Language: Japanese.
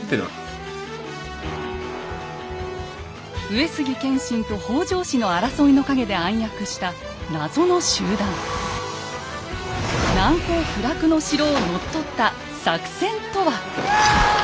上杉謙信と北条氏の争いの陰で暗躍した難攻不落の城を乗っ取った作戦とは？